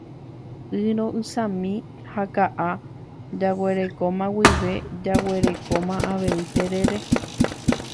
Y ro'ysãmi ha ka'a jaguerekóma guive jaguerekóma avei terere.